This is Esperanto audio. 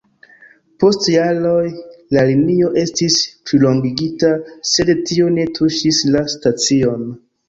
Post jaroj la linio estis plilongigita, sed tio ne tuŝis la stacion.